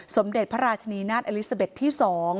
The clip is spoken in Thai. สมเด็จพระราชนีนาฏอลิซาเบ็ดที่๒